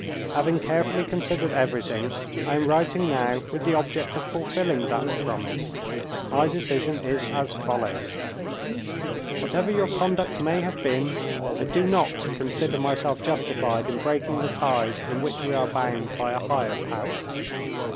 Having carefully considered everything, I am writing now with the object of fulfilling that promise. My decision is as follows. Whatever your conduct may have been, I do not consider myself justified in breaking the ties in which we are bound by a Higher Power.